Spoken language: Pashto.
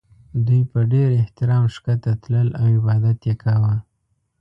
دوی په ډېر احترام ښکته تلل او عبادت یې کاوه.